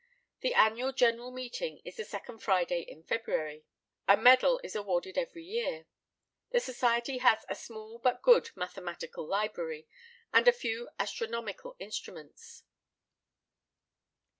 The annual general meeting is the second Friday in February. A medal is awarded every year. The society has a small but good mathematical library, and a few astronomical instruments.